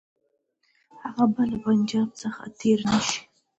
هغه به له پنجاب څخه تېر نه شي.